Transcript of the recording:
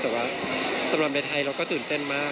แต่ว่าสำหรับในไทยเราก็ตื่นเต้นมาก